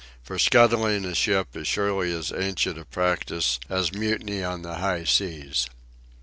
For scuttling a ship is surely as ancient a practice as mutiny on the high seas.